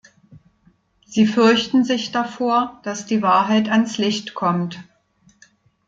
Sie fürchten sich davor, dass die Wahrheit ans Licht kommt.